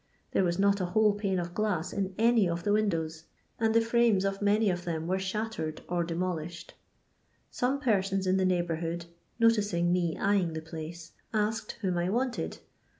There was not a whole pane of gloM in any of the windows, and the frames of many of them were shattered or de molished. Some persons in the neighbourhood, noticing me eyeing the place, asked whom I wanted.